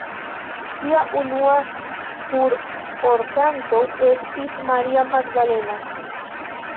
Ŝia unua furorkanto estis "Maria Magdalena".